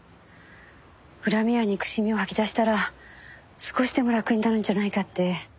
恨みや憎しみを吐き出したら少しでも楽になるんじゃないかって。